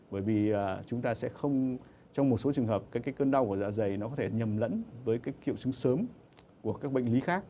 bởi vì chúng ta sẽ không trong một số trường hợp cái cơn đau của dạ dày nó có thể nhầm lẫn với triệu chứng sớm của các bệnh lý khác